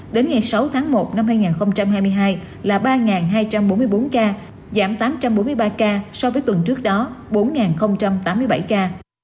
đến ngày sáu tháng một năm hai nghìn hai mươi hai là ba hai trăm bốn mươi bốn ca giảm tám trăm bốn mươi ba ca so với tuần trước đó bốn tám mươi bảy ca